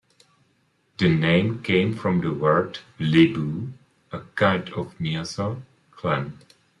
The name came from the word "Liboo", a kind of mussel clam.